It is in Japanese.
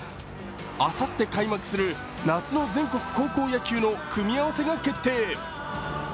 あさって開幕する夏の全国高校野球の組み合わせが決定。